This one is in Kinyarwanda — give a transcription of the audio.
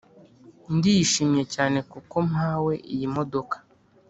ndishimye cyane kuko mpawe iyi modoka